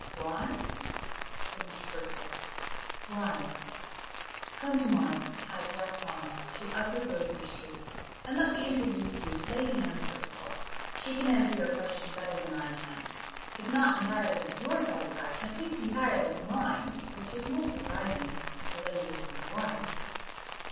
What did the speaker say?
"Why?" said Mr. Percival "why? Come to morrow, as you have promised, to Upper Grosvenor street, and let me introduce you to Lady Anne Percival; she can answer your question better than I can if not entirely to your satisfaction, at least entirely to mine, which is more surprising, as the lady is my wife."